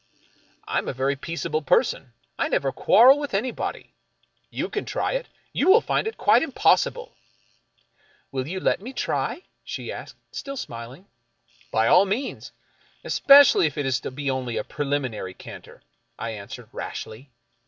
" I am a very peaceable person. I never quarrel with any body. You can try it. You will find it quite impossible." " Will you let me try ?" she asked, still smiling. " By all means — especially if it is to be only a preliminary canter," I answered, rashly.